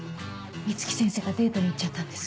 美月先生がデートに行っちゃったんです。